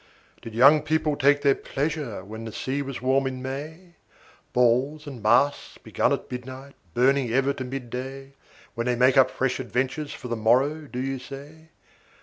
Did young people take their pleasure when the sea was warm in May? 10 Balls and masks begun at midnight, burning ever to mid day, When they make up fresh adventures for the morrow, do you say?